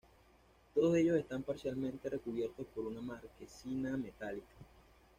Todos ellos están parcialmente recubiertos por una marquesina metálica.